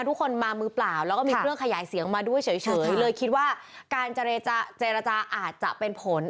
ทุกคนมามือเปล่าแล้วก็มีเครื่องขยายเสียงมาด้วยเฉยเลยคิดว่าการเจรจาอาจจะเป็นผล